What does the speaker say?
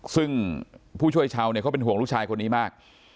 ซึ่งผู้ช่วยชาวเนี่ยเขาเป็นห่วงลูกชายคนนี้มาก